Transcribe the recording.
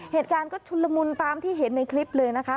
เหตุการณ์ก็ชุนละมุนตามที่เห็นในคลิปเลยนะคะ